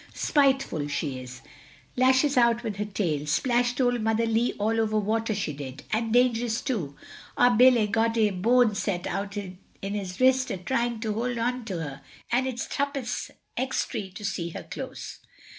Spiteful, she is. Lashes out with her tail—splashed old Mother Lee all over water she did—an' dangerous too: our Bill 'e got 'is bone set out in his wrist a trying to hold on to her. An' it's thruppence extry to see her close."